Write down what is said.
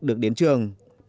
được đến trường